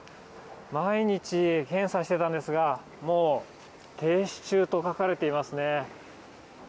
毎日、検査してたんですが、もう停止中と書かれていますね。